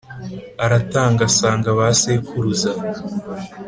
aratanga asanga ba sekuruza